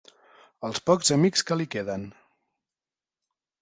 Els pocs amics que li queden.